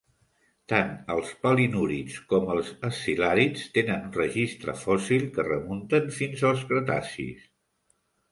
Tant els palinúrids com els escil·làrids tenen un registre fòssil que remunten fins als cretacis.